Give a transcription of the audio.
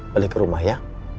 balik ke rumah ya